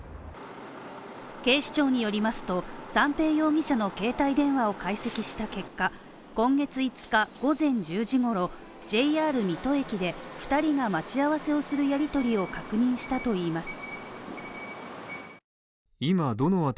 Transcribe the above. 警視庁によりますと、三瓶容疑者の携帯電話を解析した結果、今月５日午前１０時ごろ、ＪＲ水戸駅で、２人が待ち合わせをするやりとりを確認したといいます。